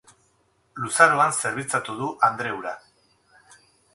Luzaroan zerbitzatu du andre hura.